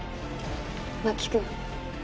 真木君。